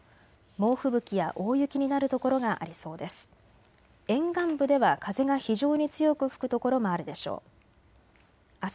猛吹雪や大雪になる所がありそうです。